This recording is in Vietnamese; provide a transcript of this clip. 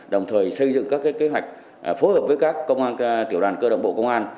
đồng thời xây dựng các kế hoạch phối hợp với các tiểu đoàn cơ động bộ công an